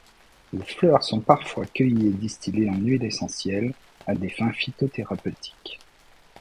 Les fleurs sont parfois cueillies et distillées en huile essentielle à des fins phytothérapeutiques.